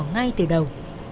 ngay từ đầu